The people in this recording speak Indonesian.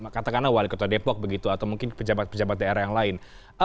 katakanlah wali kota depok begitu atau mungkin pejabat pejabat daerah yang lain